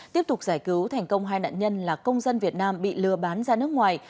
tiếp tục giải cứu thành công hai nạn nhân là công dân việt nam bị lừa bán ra nước ngoài